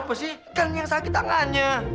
apa sih kan yang sakit tangannya